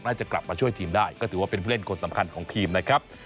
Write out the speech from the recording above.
น่าจะกลับมาช่วยทีมได้ก็ถือว่าเป็นผู้เล่นคนสำคัญของทีมนะครับ